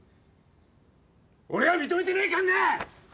俺は認めてねえかんな！